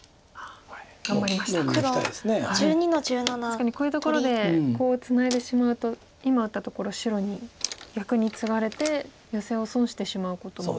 確かにこういうところでコウをツナいでしまうと今打ったところ白に逆にツガれてヨセを損してしまうことも。